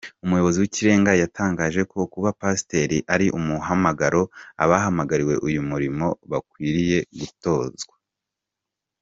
Umuyobozi w Ikirenga yatangaje ko kuba Pasiteri ari umuhamagaro. Abahamagariwe uyu murimo bakwiriye gutozwa.